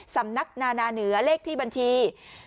สำนักนานาเหนือเลขที่บัญชี๐๐๐๐๖๒๐๙๖๓